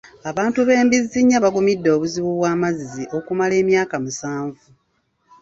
Abantu b'e Mbizzinnya bagumidde obuzibu bw'amazzi okumala emyaka musanvu.